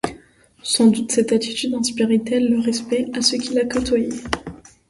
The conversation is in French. Sans doute, cette attitude inspirait-elle le respect à ceux qui la côtoyaient.